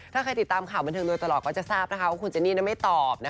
ถ้าใครติดตามข่าวบันเทิงโดยตลอดก็จะทราบว่าคุณเจนี่ไม่ตอบ